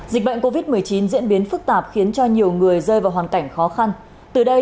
dịch bệnh covid một mươi chín diễn biến phức tạp khiến cho nhiều người rơi vào hoàn cảnh khó khăn từ đây